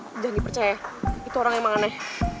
jangan dipercaya itu orang yang manganeh